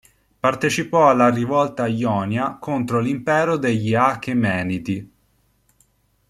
Partecipò alla rivolta ionia contro l'impero degli Achemenidi.